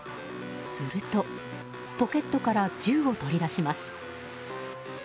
するとポケットから銃を取り出します。